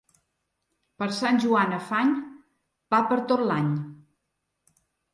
Per Sant Joan afany, pa per tot l'any.